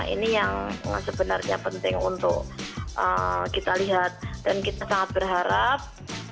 ini yang sebenarnya penting untuk kita lihat dan kita sangat berharap